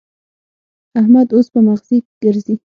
احمد اوس په مغزي ګرزي.